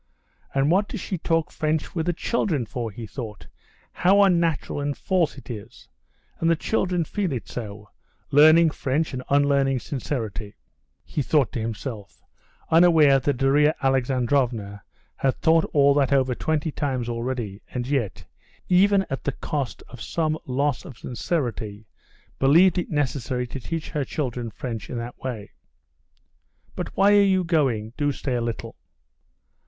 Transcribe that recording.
"And what does she talk French with the children for?" he thought; "how unnatural and false it is! And the children feel it so: Learning French and unlearning sincerity," he thought to himself, unaware that Darya Alexandrovna had thought all that over twenty times already, and yet, even at the cost of some loss of sincerity, believed it necessary to teach her children French in that way. "But why are you going? Do stay a little."